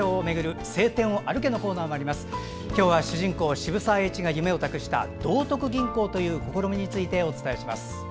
渋沢栄一が夢を託した「道徳銀行」という試みについてお伝えします。